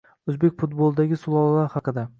O‘zbek futbolidagi sulolalar haqida